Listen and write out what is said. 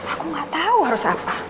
aku gak tahu harus apa